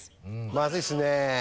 まずいっすね。